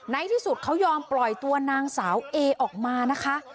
ในที่สุดเขายอมปล่อยตัวนางสาวเอออกมานะคะ